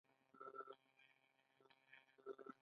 هغه له هغه سره د يو ساعته خصوصي خبرو لپاره ځای جوړ کړی و.